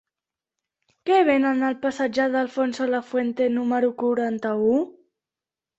Què venen al passatge d'Alfonso Lafuente número quaranta-u?